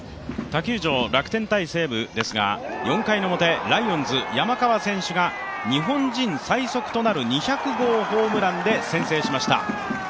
他球場、楽天×西武ですが４回の表、ライオンズ山川選手が日本人最速となる２００号ホームランで先制しました。